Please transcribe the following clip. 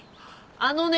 あのね